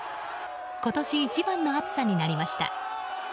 今年一番の暑さになりました。